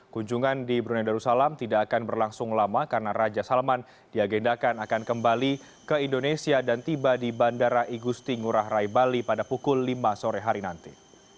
kunjungan di brunei darussalam tidak akan berlangsung lama karena raja salman diagendakan akan kembali ke indonesia dan tiba di bandara igusti ngurah rai bali pada pukul lima sore hari nanti